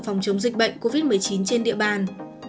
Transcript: phòng chống dịch bệnh covid một mươi chín trên địa bàn